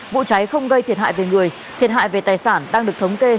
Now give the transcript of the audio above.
vụ cháy không gây thiệt hại về người thiệt hại về tài sản đang được thống kê